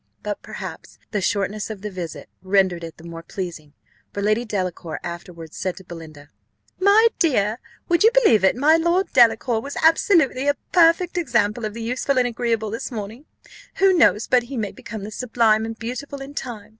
But, perhaps, the shortness of the visit rendered it the more pleasing, for Lady Delacour afterward said to Belinda, "My dear, would you believe it, my Lord Delacour was absolutely a perfect example of the useful and agreeable this morning who knows but he may become the sublime and beautiful in time?